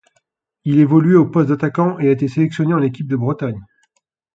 Il évoluait au poste d'attaquant et a été sélectionné en équipe de Bretagne.